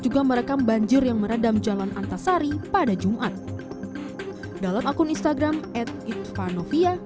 juga merekam banjir yang meredam jalan antasari pada jumat dalam akun instagram at it fanovia